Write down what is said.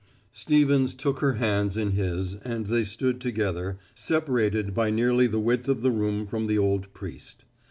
Stevens took her hands in his and they stood together, separated by nearly the width of the room from the old priest.